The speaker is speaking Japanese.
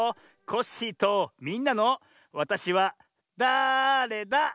コッシーとみんなの「わたしはだれだ？」。